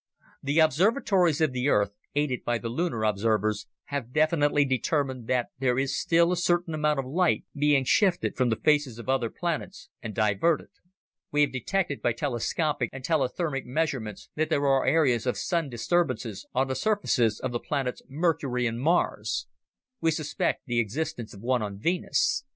"The observatories of the Earth, aided by the lunar observers, have definitely determined that there is still a certain amount of light being shifted from the faces of other planets and diverted. We have detected by telescopic and telethermic measurements that there are areas of Sun disturbances on the surfaces of the planets Mercury and Mars. We suspect the existence of one on Venus.